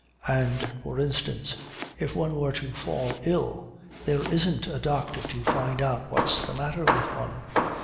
And, for instance, if one were to fall ill, there isn't a doctor to find out what's the matter with one.